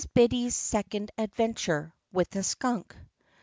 BIDDY'S SECOND ADVENTURE, WITH A SKUNK.